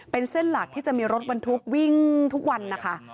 เป็นเส้นหลักที่จะมีรถบรรทุกวิ่งทุกวันนะคะ